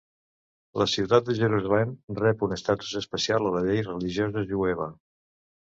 La ciutat de Jerusalem rep un estatus especial a la llei religiosa jueva.